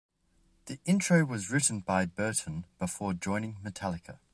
The intro was written by Burton before joining Metallica.